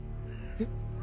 えっ？